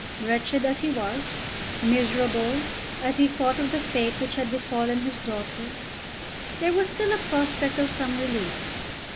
Wretched as he was, miserable, as he thought of the fate which had befallen his daughter, there was still a prospect of some relief.